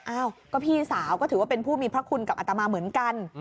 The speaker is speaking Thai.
อ้าวก็พี่สาวก็ถือว่าเป็นผู้มีพระคุณกับอัตมาเหมือนกัน